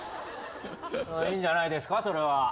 いいんじゃないですかそれは。